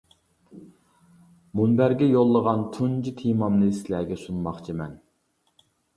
مۇنبەرگە يوللىغان تۇنجى تېمامنى سىلەرگە سۇنماقچىمەن.